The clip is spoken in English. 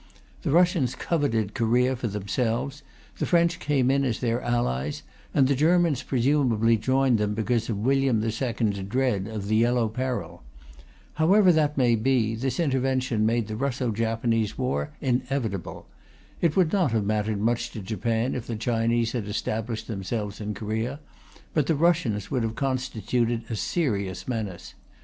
The Russians coveted Korea for themselves, the French came in as their allies, and the Germans presumably joined them because of William II's dread of the Yellow Peril. However that may be, this intervention made the Russo Japanese war inevitable. It would not have mattered much to Japan if the Chinese had established themselves in Korea, but the Russians would have constituted a serious menace.